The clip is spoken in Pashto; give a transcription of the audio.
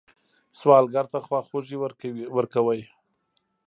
سوالګر ته خواخوږي ورکوئ